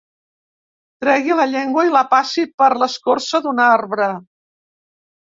Tregui la llengua i la passi per l'escorça d'un arbre.